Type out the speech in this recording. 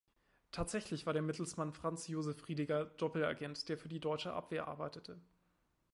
Tatsächlich war der Mittelsmann Franz Josef Riediger Doppelagent, der für die deutsche Abwehr arbeitete.